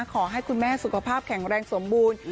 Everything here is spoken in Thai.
ขอให้คุณแม่สุขภาพแข็งแรงสมบูรณ์